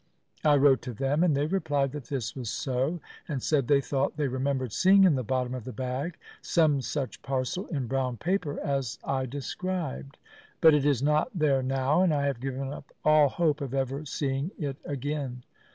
I wrote to them, and they replied that this was so, and said they thought they remembered seeing in the bottom of the bag some such parcel in brown paper as I described. But it is not there now, and I have given up all hope of ever seeing it again.